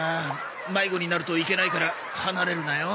迷子になるといけないから離れるなよ。